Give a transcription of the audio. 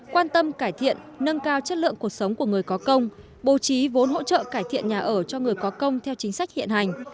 quan tâm cải thiện nâng cao chất lượng cuộc sống của người có công bố trí vốn hỗ trợ cải thiện nhà ở cho người có công theo chính sách hiện hành